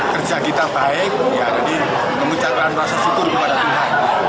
kerja kita baik jadi mengucapkan rasa syukur kepada tuhan